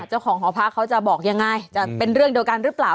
เจ้าของหอพักเขาจะบอกยังไงจะเป็นเรื่องเดียวกันหรือเปล่า